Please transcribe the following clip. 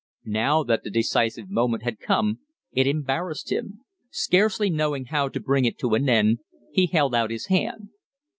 Now that the decisive moment had come, it embarrassed him. Scarcely knowing how to bring it to an end, he held out his hand.